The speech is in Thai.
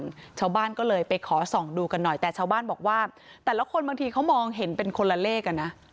ชาวบ้านก็เลยไปขอส่องดูกันหน่อยแต่ชาวบ้านบอกว่าแต่ละคนบางทีเขามองเห็นเป็นคนละเลขอ่ะนะ